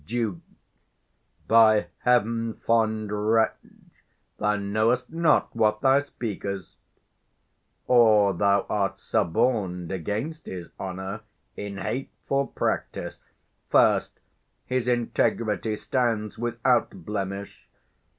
Duke. By heaven, fond wretch, thou know'st not what thou speak'st, 105 Or else thou art suborn'd against his honour In hateful practice. First, his integrity Stands without blemish.